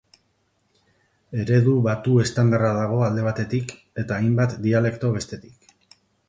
Eredu batu estandarra dago, alde batetik, eta hainbat dialekto, bestetik.